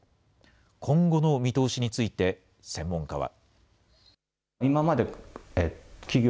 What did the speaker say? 今後の見通しについて、専門家は。